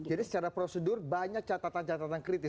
jadi secara prosedur banyak catatan catatan kritis